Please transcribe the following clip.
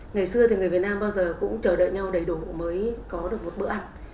ngày xưa thì người việt nam bao giờ cũng chờ đợi nhau đầy đủ mới có được một bữa ăn